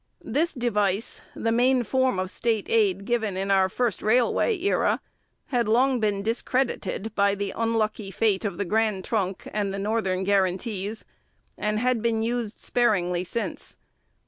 This device, the main form of state aid given in our first railway era, had long been discredited by the unlucky fate of the Grand Trunk and the Northern guarantees, and had been sparingly used since.